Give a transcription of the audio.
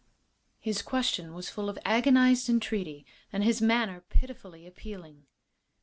His question was full of agonized entreaty, and his manner pitifully appealing.